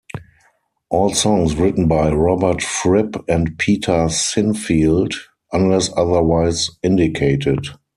All songs written by Robert Fripp and Peter Sinfield, unless otherwise indicated.